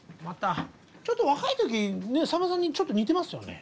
ちょっと若い時さんまさんにちょっと似てますよね。